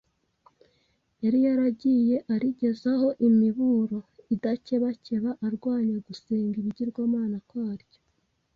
Yari yaragiye arigezaho imiburo idakebakeba arwanya gusenga ibigirwamana kwaryo